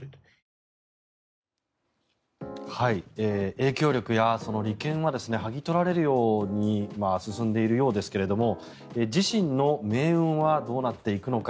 影響力やその利権は剥ぎ取られるように進んでいるようですが自身の命運はどうなっていくのか